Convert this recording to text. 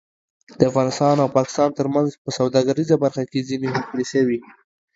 د افغانستان او پاکستان ترمنځ په سوداګریزه برخه کې ځینې هوکړې شوې